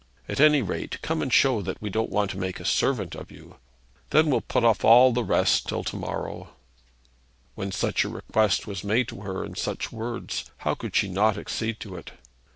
At any rate, come and show that we don't want to make a servant of you. Then we'll put off the rest of it till to morrow.' When such a request was made to her in such words, how could she not accede to it?